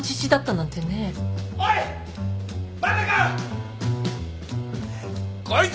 おい！